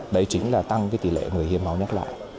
đấy chính là tăng cái tỷ lệ người hiến máu nhắc lại